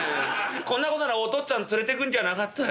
こんな事ならお父っつぁん連れてくんじゃなかったよ」。